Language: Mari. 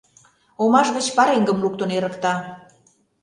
Омаш гыч пареҥгым луктын эрыкта.